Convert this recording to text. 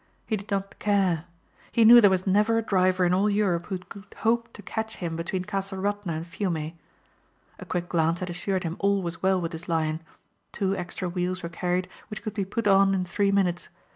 He did not care. He knew there was never a driver in all Europe who could hope to catch him between Castle Radna and Fiume. A quick glance had assured him all was well with his Lion. Two extra wheels were carried which could be put on in three minutes.